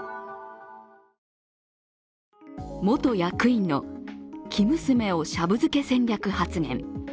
元役員の「生娘をシャブ漬け戦略」発言。